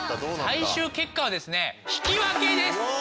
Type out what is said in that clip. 最終結果はですね引き分けです！